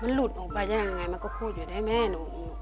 มันหลุดออกไปได้ยังไงมันก็พูดอยู่ได้แม่หนู